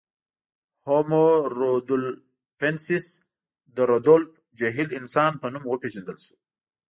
هومو رودولفنسیس د رودولف جهیل انسان په نوم وپېژندل شو.